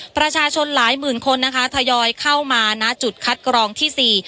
ประชาชนหลายหมื่นคนนะคะทยอยเข้ามาณจุดคัดกรองที่สี่